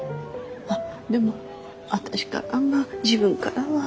あっでも私からは自分からは。